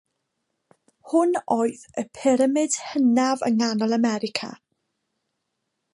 Hwn oedd y pyramid hynaf yng Nghanol America.